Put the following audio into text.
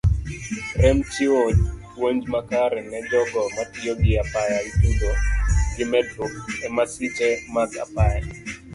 Rem chiwo puonj makare nejogo matiyo gi apaya itudo gi medruok emasiche mag apaya.